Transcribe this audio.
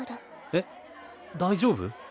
えっ大丈夫？